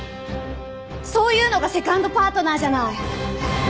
そういうのがセカンドパートナーじゃない。